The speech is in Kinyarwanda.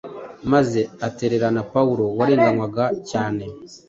maze atererana Pawulo warenganywaga cyane